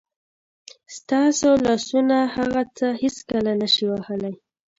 ستاسو لاسونه هغه څه هېڅکله نه شي وهلی.